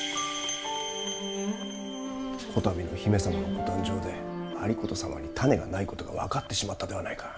こたびの姫様のご誕生で有功様に胤がないことが分かってしまったではないか。